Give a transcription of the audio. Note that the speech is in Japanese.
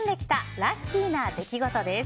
ラッキーな出来事です。